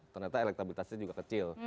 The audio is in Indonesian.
ternyata elektabilitasnya juga kecil